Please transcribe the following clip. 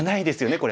これ。